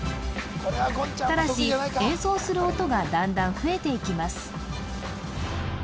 ただし演奏する音が段々増えていきます